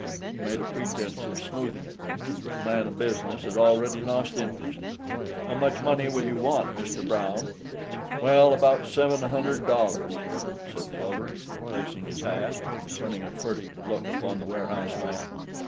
He made a pretense of smoothing it. The man of business had already lost interest. "How much money will you want, Mr. Brown?" "Well, about seven hundred dollars," said the elder, replacing his hat, and turning a furtive look upon the warehouse man.